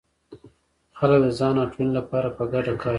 خلک د ځان او ټولنې لپاره په ګډه کار کوي.